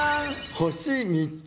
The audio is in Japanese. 星３つ。